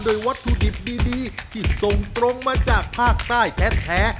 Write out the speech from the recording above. โดยวัตถุดิบดีที่ส่งตรงมาจากภาคใต้แท้